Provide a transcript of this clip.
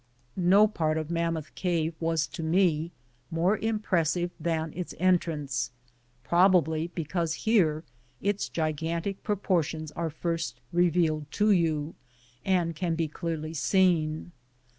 No part of Mammoth Cave was to me more impressive than its entrance, probably because here its gigantic proportions are first revealed to you, and can be clearly seen.